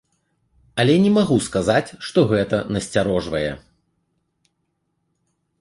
Але не магу сказаць, што гэта насцярожвае.